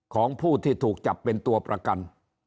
ของผู้ที่ถูกจัดประกัน